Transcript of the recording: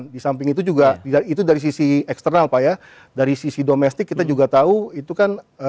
di samping itu juga itu dari sisi eksternal pak ya dari sisi domestik kita juga tahu itu kan